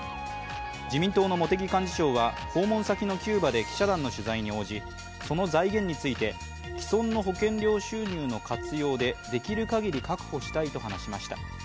自民党の茂木幹事長は訪問先のキューバで記者団の取材に応じ、その財源について既存の保険料収入の活用でできるかぎり確保したいと話しました。